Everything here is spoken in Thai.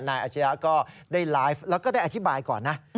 อาชียะก็ได้ไลฟ์แล้วก็ได้อธิบายก่อนนะ